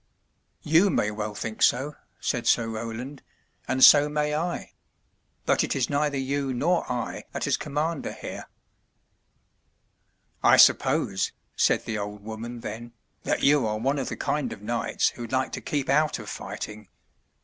"You may well think so," said Sir Roland, "and so may I; but it is neither you nor I that is commander here." "I suppose," said the old woman then, "that you are one of the kind of knights who like to keep out of fighting.